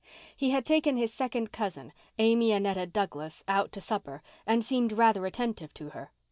He had taken his second cousin, Amy Annetta Douglas, out to supper and seemed rather attentive to her.